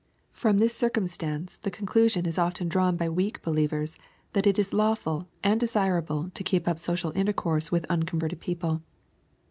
From this circumstance the conclusion is often drawn by weak believ ers that it is lawful and desirable to keep up social intercourse with unconverted people.